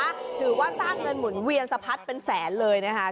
ถือว่าสร้างเงินหมุนเวียนสะพัดเป็นแสนเลยนะคะ